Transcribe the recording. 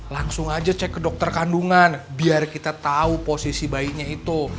langsung aja cek ke dokter kandungan biar kita tahu posisi bayinya itu